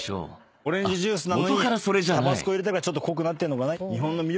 オレンジジュースなのにタバスコ入れたからちょっと濃くなってんのかな。